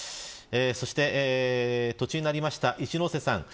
そして、途中になりました一之瀬さん